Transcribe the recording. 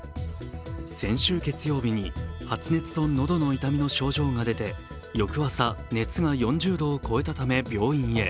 先週月曜日に発熱と喉の痛みの症状が出て翌朝、熱が４０度を超えたため病院へ。